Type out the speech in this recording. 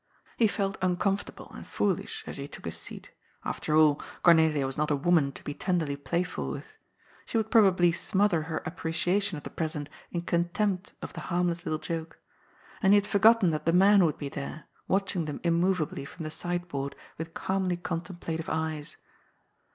He felt uncomfortable and foolish as he took his seat. After all, Cornelia was not a woman to be tenderly playful with. She would probably smother her appreciation of the present in contempt of the harmless little joke. And he had forgotten that the man would be there, watching them immovably from the side board with calmly contemplative eyes.